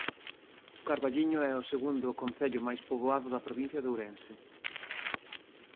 O Carballiño é o segundo concello máis poboado da provincia de Ourense.